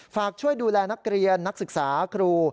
ฝากช่วยดูแลนักเรียนนักศึกษาครู